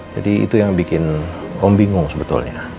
jadi itu yang bikin om bingung sebetulnya